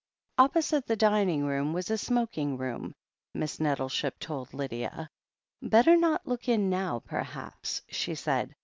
Opposite the dining room was a smoking room, Miss Nettleship told Lydia. "Better not look in now, perhaps," she said.